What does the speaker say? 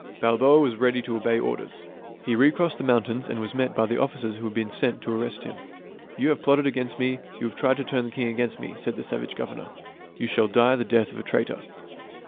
Balboa was ready to obey orders. He recrossed the mountains and was met by the officers who had been sent to arrest him. " You have plotted against me, you have tried to turn the king against me," said the savage governor, " You shall die the death of a traitor."